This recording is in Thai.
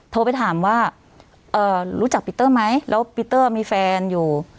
โทรไปถามว่ารู้จักปีเตอร์ไหมแล้วปีเตอร์มีแฟนอยู่